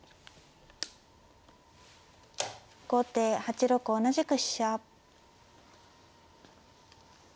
後手８六同じく飛車。